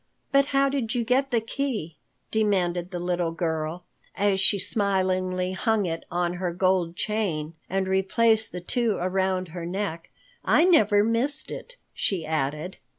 "But how did you get the key?" demanded the little girl, as she smilingly hung it on her gold chain and replaced the two around her neck. "I never missed it," she added.